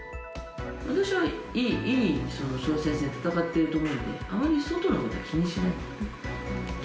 私はいい総裁選を戦っていると思うんで、あまり外のことは気にしない。